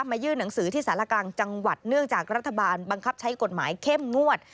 ยื่นหนังสือที่สารกลางจังหวัดเนื่องจากรัฐบาลบังคับใช้กฎหมายเข้มงวด